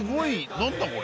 何だこれ？